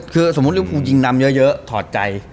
คือสมมติลูกครูยิงดำเยอะถอดใจ